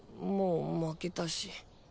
もう負けたし。